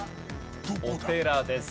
お寺です。